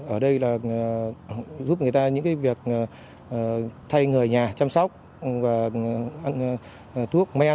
ở đây là giúp người ta những cái việc thay người nhà chăm sóc và ăn thuốc mê ăn